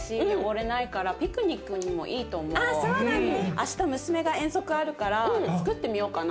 明日娘が遠足あるからつくってみようかな。